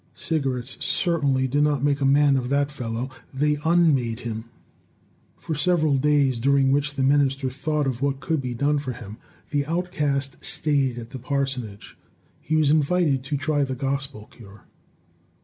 Cigarettes certainly did not make a man of that fellow. They unmade him." For several days, during which the minister thought of what could be done for him, the outcast stayed at the parsonage. He was invited to try the gospel cure.